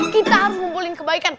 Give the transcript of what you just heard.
kita harus ngumpulin kebaikan